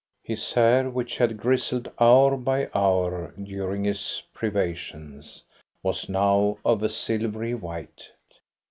His hair, which had grizzled hour by hour during his privations, was now of a silvery white.